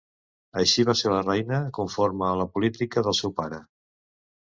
Així va ser reina, conforme a la política del seu pare.